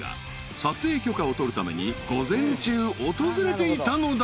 ［撮影許可を取るために午前中訪れていたのだ］